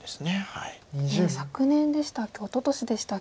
昨年でしたっけおととしでしたっけ